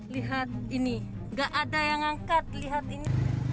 lihat ini gak ada yang ngangkat lihat ini